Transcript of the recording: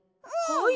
はい！